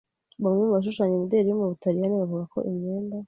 Bamwe mu bashushanya imideli yo mu Butaliyani bavuga ko imyenda